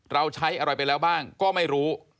เราใช้อะไรไปแล้วบ้างก็ไม่รู้